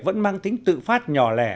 vẫn mang tính tự phát nhỏ lẻ